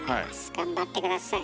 頑張って下さい。